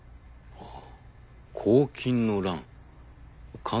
ああ。